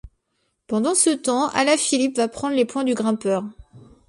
Pendant ce temps, Alaphilippe va prendre les points du grimpeur.